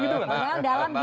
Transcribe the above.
dalam dialog kita sebelumnya